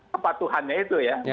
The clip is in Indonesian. kepatuhannya itu ya